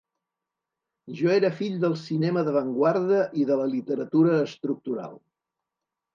Jo era fill del cinema d’avantguarda i de la literatura estructural.